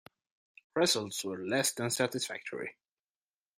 Results were less than satisfactory.